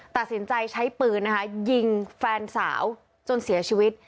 ตัดสินใจใช้ปืนนะคะยิงแฟนสาวจนเสียชีวิต